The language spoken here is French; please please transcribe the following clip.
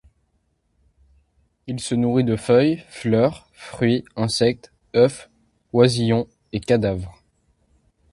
Il se nourrit de feuilles, fleurs, fruits, insectes, œufs, oisillons, et cadavres.